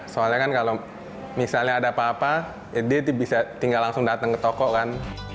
soalnya kan kalau misalnya ada apa apa dia bisa tinggal langsung datang ke toko kan